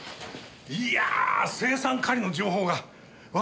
いや青酸カリの情報がわかりましたよ。